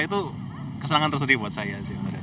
itu kesenangan tersendiri buat saya